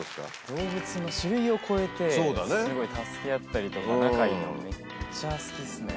動物の種類を超えて、すごい助け合ったりとか、仲いいの、めっちゃ好きですね。